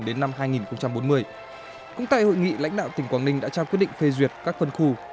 đến năm hai nghìn bốn mươi cũng tại hội nghị lãnh đạo tỉnh quảng ninh đã trao quyết định phê duyệt các phân khu